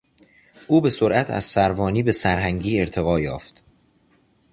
او به سرعت از سروانی به سرهنگی ارتقا یافت.